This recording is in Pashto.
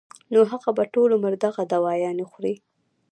نو هغه به ټول عمر دغه دوايانې خوري